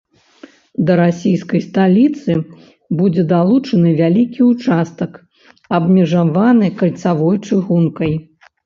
Да расійскай сталіцы будзе далучаны вялікі ўчастак, абмежаваны кальцавой чыгункай.